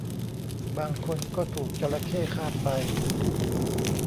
บางคนก็ถูกจระเข้คาบไป